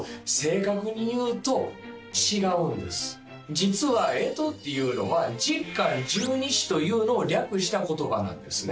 実は干支っていうのは十干十二支というのを略した言葉なんですね